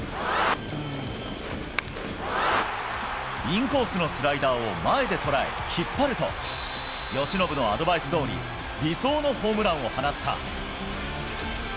インコースのスライダーを前で捉え、引っ張ると、由伸のアドバイスどおり、理想のホームランを放った。